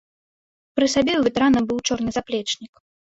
Пры сабе ў ветэрана быў чорны заплечнік.